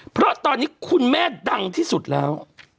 เพราะตอนนี้คุณแม่ดังที่สุดแล้ว